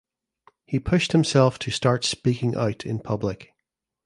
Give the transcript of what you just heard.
He pushed himself to start speaking out in public.